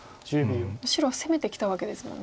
白は攻めてきたわけですもんね。